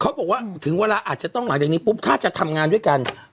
เขาบอกว่าถึงเวลาอาจจะต้องหลังจากนี้ปุ๊บถ้าจะทำงานด้วยกัน